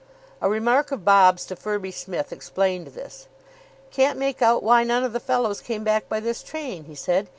A remark of Bob's to Firby Smith explained this. "Can't make out why none of the fellows came back by this train," he said.